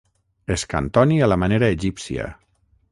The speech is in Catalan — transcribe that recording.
Escantoni a la manera egípcia.